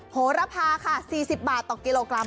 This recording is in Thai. โหระพาค่ะ๔๐บาทต่อกิโลกรัม